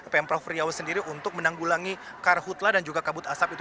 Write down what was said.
pemprov riau sendiri untuk menanggulangi karhutlah dan juga kabut asap itu